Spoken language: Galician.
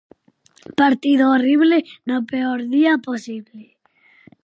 Partido horrible no peor día posible.